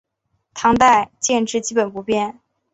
唐代建制基本不变。